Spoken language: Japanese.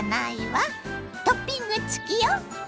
トッピング付きよ！